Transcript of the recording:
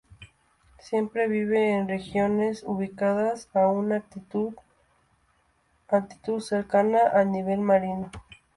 Siempre vive en regiones ubicadas a una altitud cercana al nivel marino.